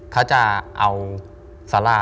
เขาจะเอาสารา